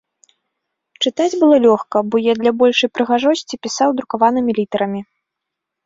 Чытаць было лёгка, бо я для большай прыгажосці пісаў друкаванымі літарамі.